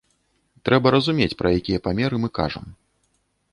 Трэба разумець, пра якія памеры мы кажам.